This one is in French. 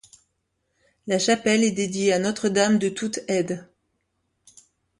La chapelle est dédiée à Notre-Dame-de-Toute-Aide.